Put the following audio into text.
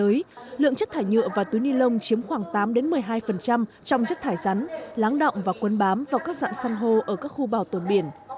tuy nhiên lượng rác thải nhựa và túi ni lông chiếm khoảng tám một mươi hai trong rác thải rắn láng động và quấn bám vào các dạng săn hô ở các khu bảo tồn biển